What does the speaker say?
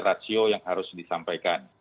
rasio yang harus disampaikan